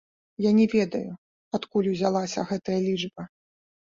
Я не ведаю, адкуль узялася гэтая лічба.